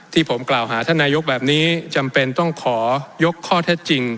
ที่ผมกล่าวหาท่านนายกแบบนี้จำเป็นต้องขอยกข้อเท็จจริง